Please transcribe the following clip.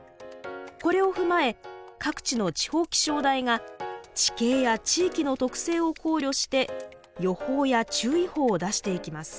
これを踏まえ各地の地方気象台が地形や地域の特性を考慮して予報や注意報を出していきます。